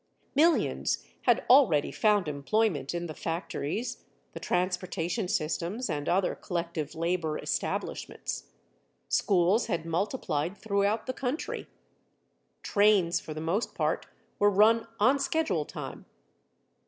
Millions had already found employment in the factories, the transportation systems, and other collective labor establishments. Schools had multiplied throughout the country. Trains, for the most part, were run on schedule time.